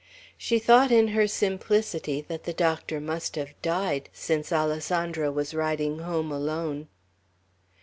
She thought, in her simplicity, that the doctor must have died, since Alessandro was riding home alone.